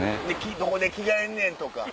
どこで着替えんねん？とか。